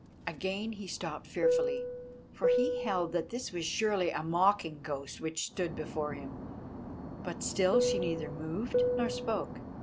Again he stopped fearfully, for he held that this was surely a mocking ghost which stood before him, but still she neither moved nor spoke.